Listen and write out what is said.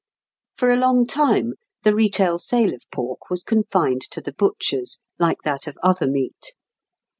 For a long time the retail sale of pork was confined to the butchers, like that of other meat.